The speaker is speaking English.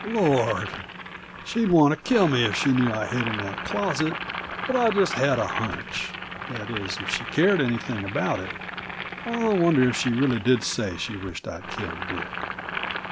"Lord! she'd want to kill me if she knew I hid in that closet, but I just had a hunch that is, if she cared anything about it. I wonder if she did really say she wished I'd killed Dick?